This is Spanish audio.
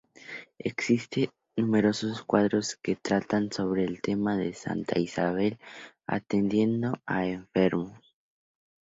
Existe numerosos cuadros que tratan sobre el tema de Santa Isabel atendiendo a enfermos.